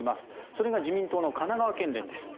それが自民党の神奈川県連です。